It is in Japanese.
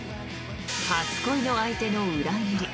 初恋の相手の裏切り。